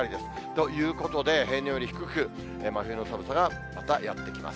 ということで、平年より低く、真冬の寒さがまたやって来ます。